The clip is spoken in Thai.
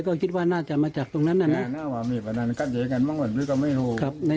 ก็คิดว่าน่าจะมาจากตรงนั้นน่ะนะ